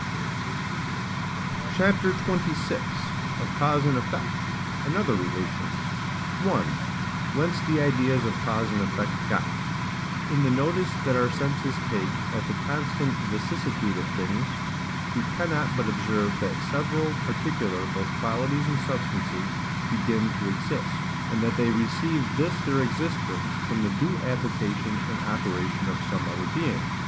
CHAPTER XXVI. OF CAUSE AND EFFECT, AND OTHER RELATIONS. 1. Whence the Ideas of cause and effect got. In the notice that our senses take of the constant vicissitude of things, we cannot but observe that several particular, both qualities and substances, begin to exist; and that they receive this their existence from the due application and operation of some other being.